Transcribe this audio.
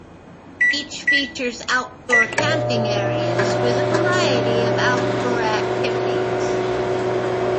Each features outdoor camping areas with a variety of outdoor activities.